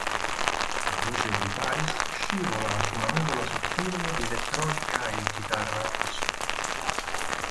La voce di Paris scivola su una nuvola sottile di elettronica e chitarra acustica.